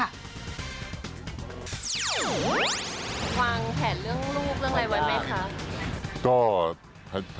วางแผนเรื่องลูกเรื่องอะไรไว้ไหมคะ